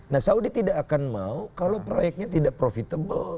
nah saudi tidak akan mau kalau proyeknya tidak profitable